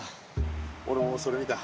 俺もそれ見た。